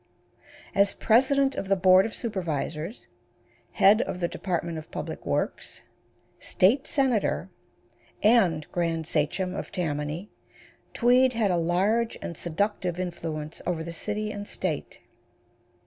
As president of the board of supervisors, head of the department of public works, state senator, and Grand Sachem of Tammany, Tweed had a large and seductive influence over the city and state.